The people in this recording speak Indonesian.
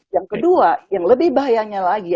yang kedua yang lebih bahayanya lagi